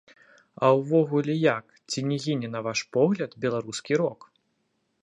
А ўвогуле, як, ці не гіне, на ваш погляд, беларускі рок?